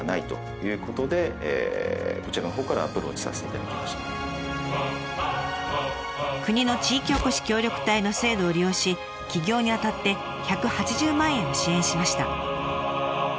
生業として国の地域おこし協力隊の制度を利用し起業にあたって１８０万円を支援しました。